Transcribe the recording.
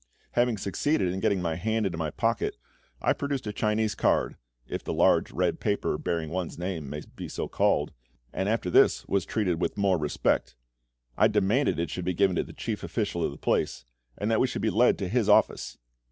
Having succeeded in getting my hand into my pocket, I produced a Chinese card (if the large red paper, bearing one's name, may be so called), and after this was treated with more respect. I demanded it should be given to the chief official of the place, and that we should be led to his office.